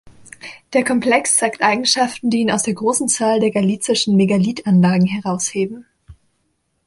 Der Komplex zeigt Eigenschaften, die ihn aus der großen Zahl der galicischen Megalithanlagen herausheben.